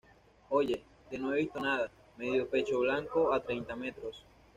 oye, que no he visto nada, medio pecho blanco a treinta metros.